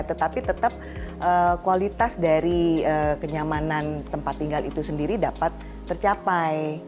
tetapi tetap kualitas dari kenyamanan tempat tinggal itu sendiri dapat tercapai